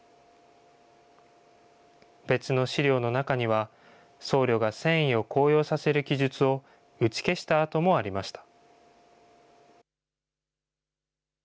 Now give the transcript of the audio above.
別の資料の中には、僧侶が戦意を高揚させる記述を打ち消した跡もありました。